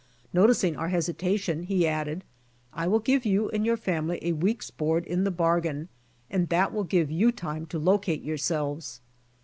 Noticing our hesitation, he added, "I will give you and your family a week's board in the bar gain, and that will give you time to locate yourselves."